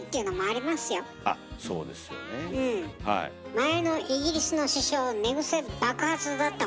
前のイギリスの首相寝癖爆発だったもんね。